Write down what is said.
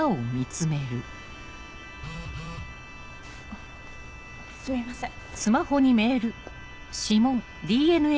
あっすみません。